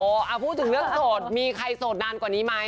พูดถึงเรื่องโสดมีใครโสดนานกว่านี้ไหม